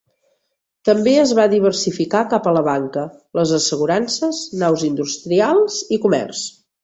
També es va diversificar cap a la banca, les assegurances, naus industrials i comerç.